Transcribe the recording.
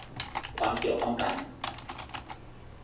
ความเกี่ยวข้องกัน